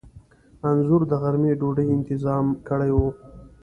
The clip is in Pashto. انځور د غرمې ډوډۍ انتظام کړی و.